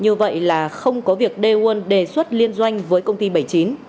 như vậy là không có việc day one đề xuất liên doanh với công ty bảy mươi chín